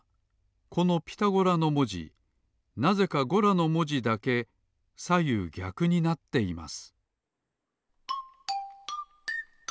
この「ピタゴラ」のもじなぜか「ゴラ」のもじだけさゆうぎゃくになっています